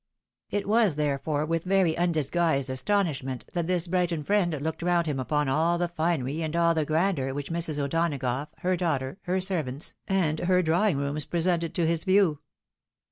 It was, therefore, with very undis guised astonishment, that this Brighton friend looked round him upon all the finery and all the grandeur which Mrs. O'Dona gough, her daughter, her servants, and her drawing rooms presented to his view.